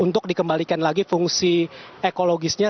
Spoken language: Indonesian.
untuk dikembalikan lagi fungsi ekologisnya